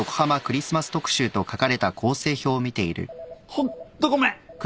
ホンットごめん！